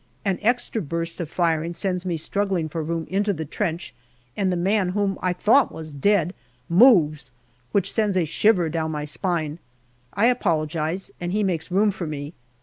An extra burst of firing sends me struggling for room into the trench, and the man whom I thought was dead moves, which sends a shiver down my spine. I apologize, and he makes room for me.